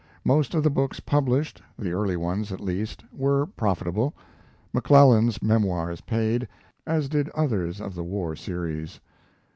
Most of the books published the early ones at least were profitable. McClellan's memoirs paid, as did others of the war series.